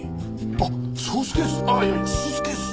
あっソースケースいやいやスーツケース？